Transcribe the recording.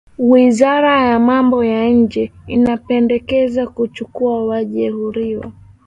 wizara ya mambo ya nje imependekeza kuchukuwa wajeruhiwa